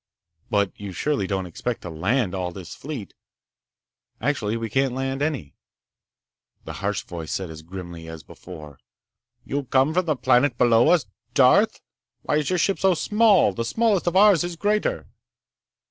But you surely don't expect to land all this fleet! Actually, we can't land any." The harsh voice said as grimly as before: "You come from the planet below us? Darth? Why is your ship so small? The smallest of ours is greater."